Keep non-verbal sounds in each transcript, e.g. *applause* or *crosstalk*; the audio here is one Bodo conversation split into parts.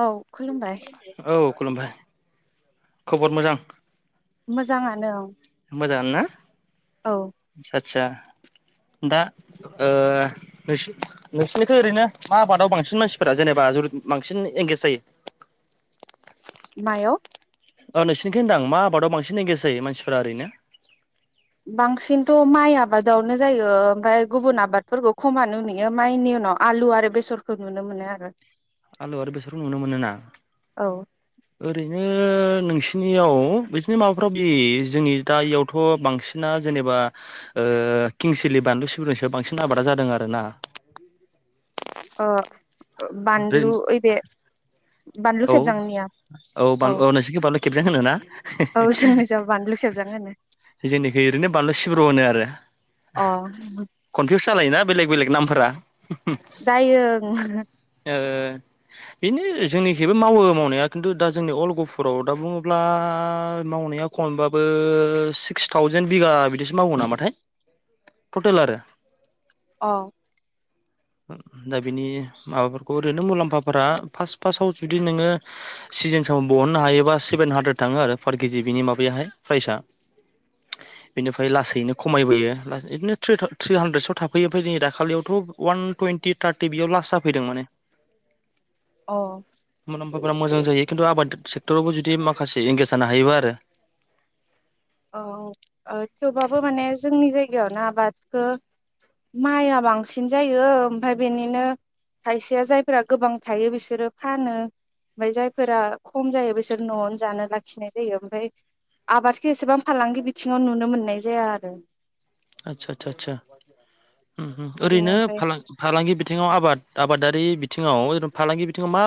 औ खुलुमबाय औ खुलुमबाय। खबर मोजां। मोजाङानो औ। मोजांनो ना? औ आदसा आदसा दा न नोंसिनिथ' ओरैनो मा आबादाव बांसिन मानसिफोरा जेनेबा ज बांसिन एंगेज जायो। मायाव? औ नोंसिरनिखौ होनदां मा आबादाव बांसिन एंगेज जायो मानसिफोरा ओरैनो। बांसिनथ' माइ आबादावनो जायो, ओमफाय- गुबुन आबादफोरखौ। खमानो नुयो माइनि उनाव आलु आरो बेसरखौ नुनो मोनो आरो। आलुआ आरो बेसरखौ नुनो मोनोना? औ ओरैनो नोंसिनियाव बिदिनो माबाफ्राव बे जोंनि दा इयावथ' बांसिना जेनेबा किंसिलि बानलु सिब्रनिसाय बांसिन आबादा जादों आरो ना। अ। बानलु औ खेबजांनिया औ औ नोंसोरनिखि बालौ। खेबजां होनो ना? औ जोंनि जा बानलु खेबजां होनो जोंनिखै ओरैनो बानलु सिब्र' होनो आरो अ कनफिउस। सालायोना बेलेग बेलेग नामफोरा। जायो। ओ बेनो जोंनिखैबो मावो मावनाया खिन्थु दा जोंनि अल गफुराव दा बुङोब्ला मावनाया खमबाबो सिक्स थावजेन बिगा बिदिसो मावो नामाथाय टटेल आरो। अ। दा बिनि माबाफोरखौ ओरैनो मुलाम्फाफोरा फार्स्ट फार्स्टआव जुदि नोंङो सिजेन सामाव दिहुननो हायोबा, सेभेन हानद्रेद थांङो आरो पार केजि बिनि माबायाहाय प्राइसा। बेनिफ्राय लासैनो खमायबोयो बिदिनो थ्रि थ्रि हानद्रेदसआव थाफैयो ओमफ्राय जोंनि दाखालियावथ'। अवान टुवेन्टि थार्टि बेयाव लास्ट जाफैदों माने। अ। बा मोजां जायो खिन्थु आबाद सेक्टरावबो जुदि माखासे एंगेज जानो हायोबा आरो। औ औ ओ थेवबाबो माने जोंनि जायगायाव। यो आबादखो माइआ बांसिन जायो ओमफ्राय बेनिनो खायसेया जायफोरा गोबां थायो बिसोरो फानो ओमफ्राय जायफोरा खम जायो बिसोर न'आवनो जानो लाखिनाय जायो ओमफाय आबा बेसेबां फालांगि बिथिंङाव नुनो मोननाय जाया आरो। आतसा आसा आसा। हु बिदिनो हुओरैनो ओमफाय फालां‌ फालांगि बिथिंङाव आबाद। आबादारि बिथिंङाव आरै फालांगि बिथिङाव मा??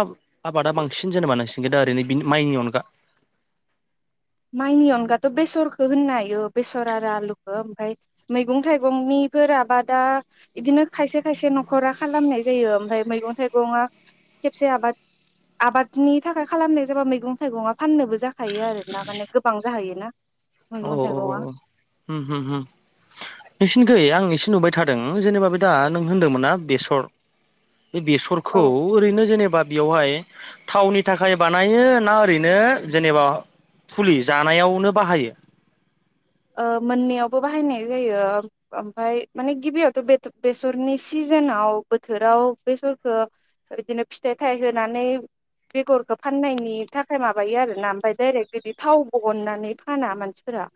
आबादा बांसिन जेनेबा नोंसि दा ओरैनो माइनि अनगा। माइनि अनगाथ' बेसरखौ होननो हायो बेसर आरो आलुखौ ओमफ्राय मैगं थाइगंनिफोर आबादा बिदिनो खायसे खायसे न'खरा खालामनाय जायो ओमफ्राय मैगं थाइगंआ खेबसे आबाद आबादनि थाखाय खालामनाय जाबा मैगं थाइगंआ फाननोबो जाखायो आरो। ना माने गोबां जाहैयो ना। औ औ औ हु हु हु। थिंखै आं एसे नुबाय थादों जेनेबा बे दा नों होनदोंमोन ना बेसर। बे बेसरखौ औ ओरैनो जेनेबा। बेवहाय थावनि थाखाय बानायो ना ओरैनो जेनेबा फुलि जानायावनो बाहायो। ओ मोननैयावबो बाहायनाय जायो ओमफ्राय माने गिबियावथ' बेसरनि सिजोनाव बोथोराव बेसरखौ बिदिनो फिथाइ थाइ होनानै बेगरखौ फाननायनि थाखाय माबायो आरोना ओमफ्राय डायरेक्ट बिदि थाव बानयनानै फाना मानसिफोरा।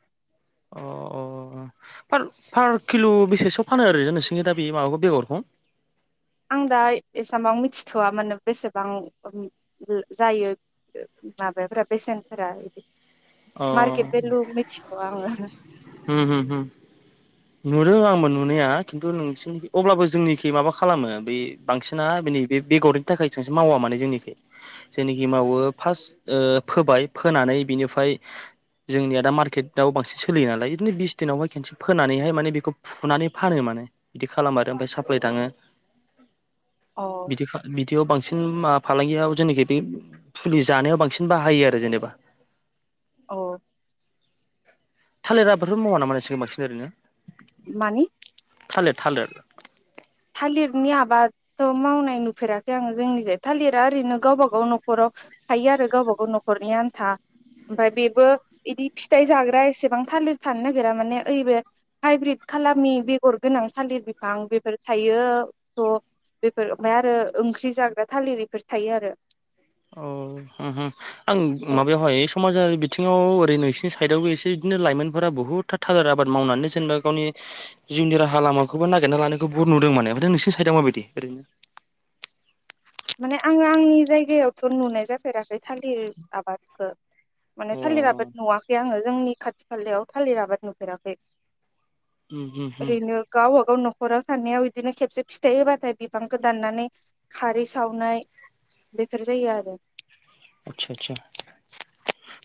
अ अ पार पार किल' बेसेसोआव फानो ओरैनो नोंसोरनि दा बे माबाखौ बेगरखौ। आं दा एसामाव मिथिथ'व मानोे बेसेबां जायो माबाफोरा बेसेनफोरा बिदि। अ मार्केट भेलु मिथिथ'वा आङो हु हु नु रोआ‌मोन नुनाया खिन्थु नोंसिनि अब्लाबो जोंनिखि माबा खालामो बे बांसिना बेनि बे बेगरनि थाखाय *unintelligible* मावा माने जोंनिख जोंनिखि मावो फार्स्ट फोबाय फोनानै बिनिफ्राय जोंनिया दा मार्केटआव बांसिन सोलियो नालाय बिदिनो बिस दिनावहाय खेनसे फोनानैहाय माने बेखौ फुनानै फानो माने बिदि खालाम आरो ओमफ्राय साप्लााय थांङो अ बिदि बिदियाव बांसिन बांसिन माबा फालांगियाव जेनाखि बे फुलि जानायाव बांसिन बाहायो आरो जेनेबा औ। थालिरा आबादफोर मावा नामा नोंसिनिथिं बांसिन आरैनो मानि थालिर थालिर। थालिरनि आबादथ' मावनाय नुफेराखै आङो जोंनि जाय थालिरा ओरैनो गावबा गाव न'खराव थायो आरो गावबा गाव न'खरनि आन्था ओमफ्राय बेबो बिदि फिथाइ जाग्रा एसेबां थालिर थानो नागिरा माने ओइे बे हाइब्रिद खालारनि बेगर गोनां थालिर बिफां बेफोर थायो थ' बेफोर ओमफ्राय आरो ओंख्रि जाग्रा थालिर बेफोर थायो आरो। औ हो हो आं ओमफ्राय माबायावहाय समाजारि बिथिंङाव ओरै नोंसिनि साइदआवबो एसे बिदिनो लाइमोनफोरा बहुतथा थाजार आबाद मावनानै जेनेबा गावनि जिउनि राहा लामाखौबो नागिरना लानायखौ बुहुथ नुदों माने ओमफ्राय नोंसोरनि साइदआव मा बायदि ओरैनो। माने आङो आंनि जायगायावथ' नुनाय जाफेराखै थालिर आबादखौ माने अ थालिराबो होम नुवाखै आङो जोंनि खाथि खालायाव थालिर आबाद नुफेराखै होम होम ओरैनो गावबा गाव न'खर। हराव सानायाव बिदिनो खेबसे फिथाइ होबाथाय बिफांखौ दाननानै खारै सावनाय बेफोर जायो आरो आदसा आतसा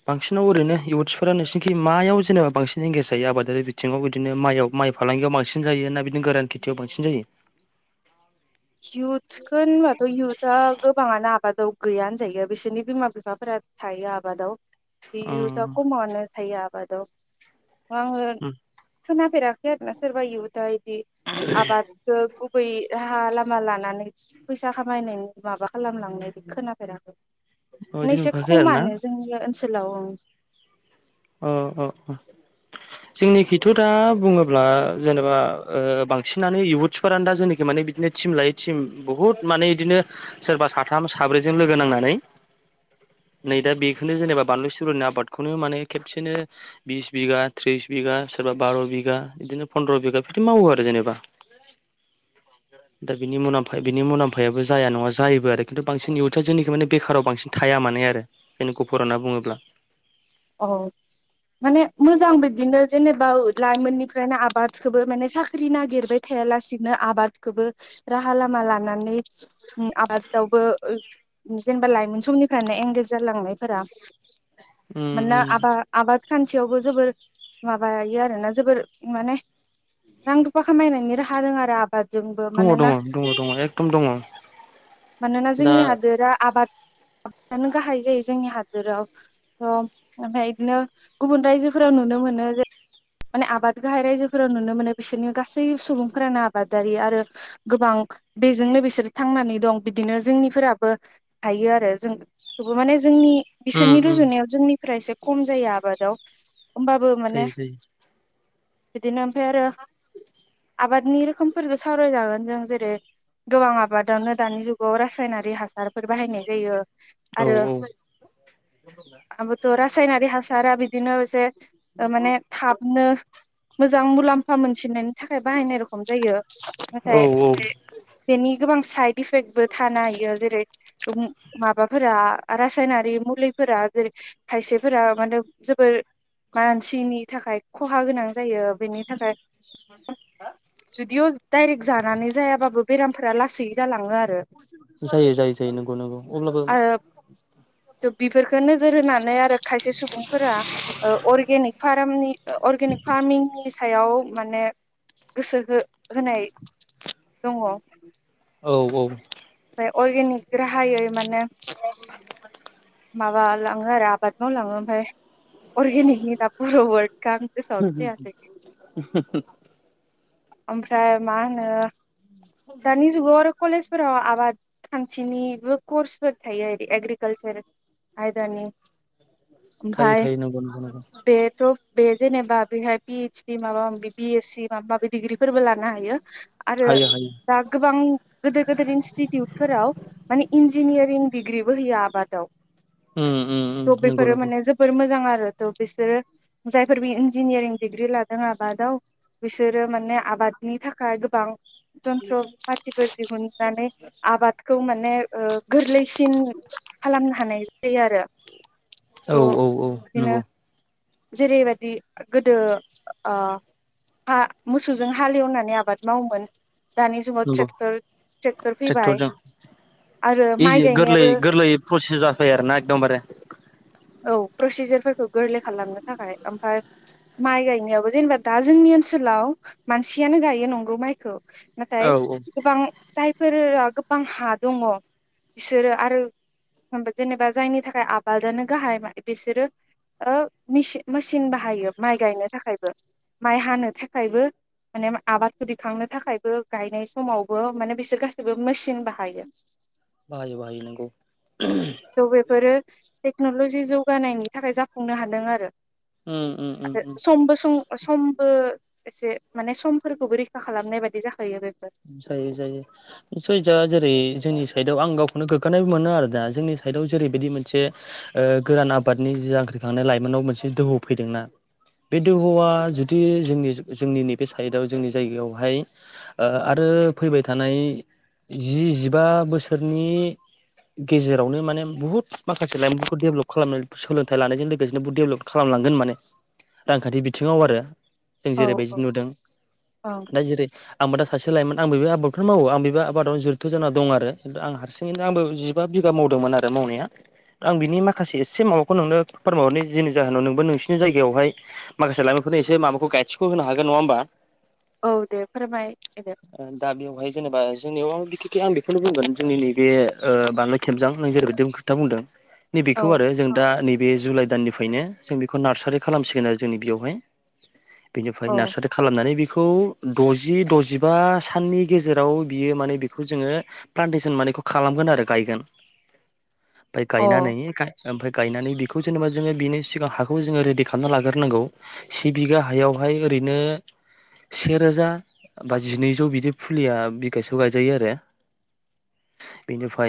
बांसिनाव ओरैनो इउथ्सफोरा नोंसोरनिखि मायाव जेनेबा बांसिन एंगेज जायो आबादारि बिथिङाव बिदिनो माइ माइ फालांगियाव बांसिन जायो ना बिदिनो गोरान खेथियाव बांसिन जायो। इउथखो होनबाथ' इउथआ गोबाङानो आबादाव गैया होनजायो बिसोरनि बिमा बिफाफोरा थायो आबादाव। बि इउता कमानो। थायो आबदाव। आङो खोनाफेराखै आरोना सोरबा इउथा इदि आबादखो बै राहा *unintelligible* लानानै फैसा खामायनायनि माबा खालामलांनाय खोनाफेराखै अ बिदि नैसे नुफेराखै आरो ना खमानो जोंनि सोलाव औ। अ अ जोंनिखिथ' दा बुङोब्ला जेनेबा बांसिनानो इयुथ्सफोरानो दा जोंनिखि माने बिदिनो थिम लायै थिम बुहुद माने बिदिनो सोरबा साथाम साब्रैजों लोगो नांनानै नै दा बेखौनो जेनेबा बानलु सिुरुनि आबादखौनो माने खेबसेनो बिस बिगा थ्रिस बिगा सोरबा बार' बिगा बिदिनो फन्द्र' बिगा बिदि मावो आरो जेनेबा दा बिनि मलाम्फा बिनि मुलाम्फायाबो जाया नङा जायोबो आरो खिन्थु बांसिन इयुथा जोंनिखि माने बेखाराव बांसिन थाया माने आरो बेनो गुफुर होनना बुङोब्ला औ माने मोजां बिदिनो। जेनेबा लाइमोननिफ्रायनो आबादखौबो माने साख्रि नागिरबाय थायालासिनो आबादखौबो राहा लामा लानानै आबादआवबो जेनबा लाइमोन समनिफ्रानो एंगेज जालांनायफोरा उम मोनना उम आबा आबाद खान्थियावबो जोबोर माबायो आरोना जोबोर माने रां रुफा खामायनायनि राहा दोङो आरो आबाद जोंबो दङ दङ मानोना दङ दङ एकदम दङ मानोना दा जोंनि हादोरा आबाद *unintelligible* नो गाहाय जायो जोंनि हादोराव ओमफ्राय बिदिनो गुबुन रायजोफोराव नुनो मोनो जे माने आबाद गाहाइ राइजोफोराव नुनो मोनो बिसोरनि गासै सुबुंफोरानो आबादारि आरो गोबां बेजोंनो बिसोरो थांनानै दं बिदिनो जोंनिफोराबो थायो आरो जों थेवबो माने जोंनि उम बिसोरनि उम रुजुनायाव जोंनि फ्रायसे खम जायो आबादाव ओमबाबो माने जायो जायो बिदिनो फेरो आबादनि रोखोमफोरखौ सावरायजागोन जों जेरै गोबां आबादावनो दानि जुगाव राज सायनारि हास हासारफोर बाहायनाय जायो औ आरो औ आबोथ' रासायनारि हासारा बिद दिनो एसे *unintelligible* गाबनो मोजां मुलाम्फा मोनसिनायनि थाखाय बाहायनाय रखम जायो औ नाथाय औ बेनि गोबां साइद इफेक्ट बो थानो हायो जेरै माबाफोरा रासायनारि मुलिफोरा जेरै खायसेफोरा माने जोबोर मानसिनि थाखाय खहा गोनां जायो बेनि थाखाय जुदिअ डाइरेक्ट जानानै जायाबाबो बेरामफोरा लासैनो जालाङो आरो जायो जायो जायो नंगौ नंगौ अब्लाबो आरो बेफोरखो नोजोर होनानै आरो खायसे सुबुंफोरा ओ अर्गेनिक फामारनि अर्गेनिक फार्मिंनि सायाव माने गोसो हो होनाय दङ औ औ अर्गेनिक राहायै माने माबा लाङो आरो आबाद मावलाङो ओमफाय अर्गेनिकनि दा पुर' वर्ड गां गोसोआवनो फैयाखै ओमफ्राय मा होनो दानि जुगाव आरो कलेजफोराव खान्थिनिबो कर्सफोर थायो आरो एग्रि कालचार आयदानि थायो ओमफाय थायो नंगौ नंगौ नंगौ बेथ' बे जेनेबा बेहाय पिओइसडि माबा मि बिएस सि माबा माबि डिग्रिफोरबो लानो हायो आरो हायो हायो दा गोबां गोदो गोदायनि टिउट फोराव माने इन्जिनियारिं डिग्रिबो होयो आबादाव उम उम उम थ' नंगौ बेफोरो नंगौ माने जोबोर मोजां आरो थ' बिसोरो जायफोर बि इन्जिनियारिं डिग्रि लादों आबादाव बिसोरो माने आबादनि थाखाय गोबां जन्थ्र फाथिफोर दिहुननानै आबादखौ माने ओ गोरलैसिन खालामनो हानाय जायो आरो थ' औ औ औ नंगौ बिदिनो जेरैबायदि गोदो अ हा मोसौजों हालेवनानै आबाद माव मोन। नंगौ फैबाय ट्रेक्टरजों आरो माइ इजि गोरलैै गायनायाबो गोरलै प्रसेस जाफाय आरोना एकदमबारे। औ प्रसिजारफोरखौ गोरलै खालामनो थाखाय ओमफ्राय माइ गायनायावो जेनेबा दा जोंनि ओनसोलाव मानसियानो गायो नंगौ माइखौ औ नाथाय औ गोबां जाय फोरा गोबां हा दङ बिसोरो आरो जेनेबा जायनि थाखाय आबादानो गाहाय बिसोरो ओ मेस-मेसिन बाहायो माइ गायनो थाखायबो माइ हानो थाखायबो माने आबादखौ दिखांनो थाखायबो गायनाय समावबो माने बिसोर गा बाहायो बाहायो नोंगौ। द बे बेफोरो टेक्नलजि जौगानायनि थाखाय जाफुंनो हादों आरो उम उम उम आरो उम समबो समबो एसे माने समफोरखौबो रैखा खालामनाय बायदि। बिदि जाखायो आरो जायो जायो सैसा जेरै जोंनि साइडआव आं गावखौनो गोग्गानायबो मोनो आरो दा जोंनि साइडआव जेरैबायदि मोनसे ओ गोरान आबादनि जांख्रिखांनाय लाइमोनाव मोनसे दोहौ फैदोंना बे दोहौआ जुदि जोंनि जोंनि नैबे साइदआव जोंनि जायगायावहाय आरो फैबाय थानाय जि जिबा बोसोरनि गेजेरावनो माने बुहुत माखासे लाइमोनफोरखौ डेभेलप खालामनानै सोलोंथाइ लानायजों लोगोसेनो बहुत डेभेलप खालामलांगोन माने रांखान्थि बिथिङाव आरो। जों औ जेरैबायदि औ नुदों औ दा जेरै आ दा सासे लाइमोन आं बेबो आबादफोर मावो आं बे आबादाव जुथ जान दं आरो खिन्थु आं हारसिङैनो आंबो जिबा बिघा मावदोंमोन आरो मावनाया आं बिनि माखासे एसे माबाखौ नोंनो फोरमायरनाय जिनि जाहोनाव नोंबो नोंसिनि जायगायावहाय माखासे लाइमोनफोरनो एसे माबाखौ गायसखखौ होनो हागोन नङा होमबा। औ दे। फोरमाय दे दाबिवहाय जेनबा जोंनियाव माबायदि खि आं बेखौनो बुंगोन जोंनि नैबे ओ बांलाय खेबजां आ जेरैबायदि खोथा बुंदों। औ नैबेखौ आरो जों दा नैबे जुलाइ दाननिफ्रायनो जों बेखौ नार्सारि खालामसिगोन आरो जोंनि बेयावहाय। बिनिफ्राय औ नार्सारि खालामनानै बे खौ दज जि दजिबा साननि गेजेराव बियो माने बेखौ जोङो प्लान्टेसन मानेखौ खालामगोन आरो गायगोन। फ्राय अ गायनानै खानाय ओमफ्राय गायनानै बेखौ जेनेबा जोङो बिनि सिगां हाखौ जोङो रेडि खालामना लाग्रोनांगौ सि बिगा हायावहाय ओरैनो सेेरोजा बाजिनैजौ बिदि फुलिया बिगायसयाव गायजायो आरो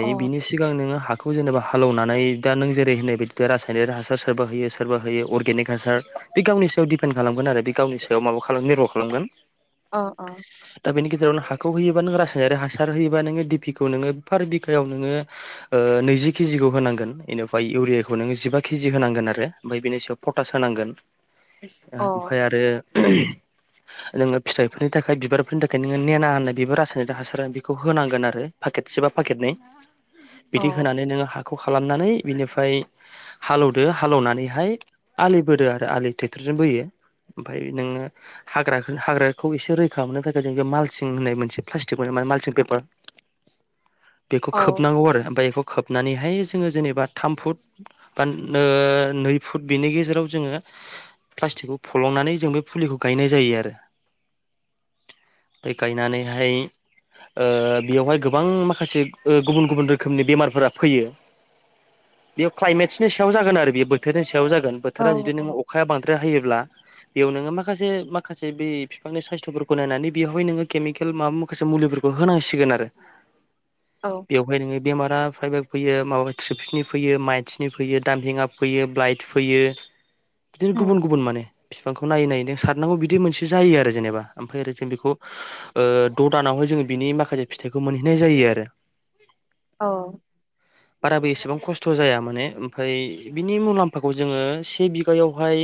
अ बिनि सिगां नोङो हाखौ जेनेबा हालौनानै दा नों जेरै होननाय बायदि रासायनिक हासार सोरबा होयो सोरबा होयो अर्गेनिक हासार बे गावनि सायाव दिडिपेन्ड खालामगोन आरो बे गावनि सायाव माबा खालाम निर्भ' खालामगोन। अ अ दा बेनि गेजेरावनो हा हखौ होयोबा नों रासायनारि हासार होयोा नोङो पिखौ नोङो बिफोरार बिखायाव नोङो नैजि केजिखौ होनांगोन बेनिफ्राय इउियाखौ नोङो जिबा केजि होनांगोन आरो ओमफ्राय बेनि सायाव पटास होनांगोन अ औ ओमफ्राय आरो नोङो फिथाइ नि थाखाय बिबारफोरनि थाखाय नोङो नेना होननाय बेबो रासायनिक हासार बेखौ होनांगोन आरो पाकेटसे बा पाकेटनै बिदि होनानै नोङो हाखौ खालामनानै बिनिफ्राय हालौदो हालौनानैहाय आलि बोदो आरो आलि ट्रेक्टरजों बोयो ओमफफ्राय नोङो हाग्राखौ हाग्रा खौ एसे रैखा मोननो थाखाय जों बे माल्सिं होननाय मोनसे प्लास्टिक मान माल्सिं पेपार बेखौ खोबनांगौ आरो ओमफ्राय बेखौ खोब होननानैहाय जोङो जेनेबा थाम फुट बा नै फुट बेनि गेजेराव जोङो प्लास्टिकखौ फलंनानै जों बे फुलिखौ गायनाय जायो आरो ओमफ्राय गायनानैहाय ओ बेयावहाय गोबां माखासे ओ गुबुन गुबुन रोखोमनि बेमारफोरा फैयो बेयाव क्लाइमेटसनि सायाव जागोन आरो बे बोथोरनि सायाव याव जागोन बोथोरा औ जुदि नोङ अखाया बांद्राय हायोब्ला बेयाव नोङो माखासे माखासे बे बिफांनि साइस्थफोरखौ नायनानै बेवहाय नोङो केमिकेल माबा माखासे मुलिफोरखौ होनांसिगोन आरो बेवहाय नोङो बेमारा प्राइबो फैयो माबा ट्रिपिनि फैयो माइन्सनि फैयो दामपिंआ फैयो ब्लाइट फैयो बिदिनो गुबुन गुबुन माने बिफांखौ नायै नायैदों सारनांगौ बिदि मोनसे जायो आरो जेनेबा ओमफ्राय आरो जों बेखौ द'दानावहाय जोङो बिनि माखासे फिथाइखौ मोनहैनाय जायो आरो औ बाराबो एसेबां खस्थ' जाया माने ओमफ्राय बिनि मुलाम्फाखौ जोङो से बिगायावहाय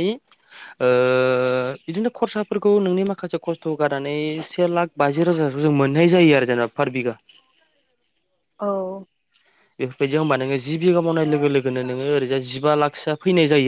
बिदिनो खरसा फोरफोरखौ नोंनि माखासे खस्थ' गारनानै से लाख बाजि रोजा जों मोननाय जायो आरो जों पार बिघा औ बेफोरबायदि होमबा नोङो जि बिगा मावनाय लोगो लोगोनो नोङो ओरैजा जिबा लाखसोआ फैनाय जायो